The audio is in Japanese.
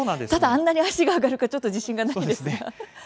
ただあんなに足が上がるかちょっと自信がないんですが。